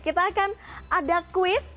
kita kan ada quiz